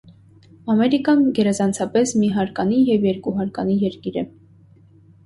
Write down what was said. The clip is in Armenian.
Ամերիկան գերազանցապես միհարկանի և երկուհարկանի երկիր է։